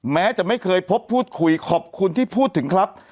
แม้จะไม่เคยพบพูดคุยขอบคุณที่พูดถึงครับ